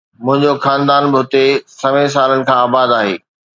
منهنجو خاندان به هتي سوين سالن کان آباد آهي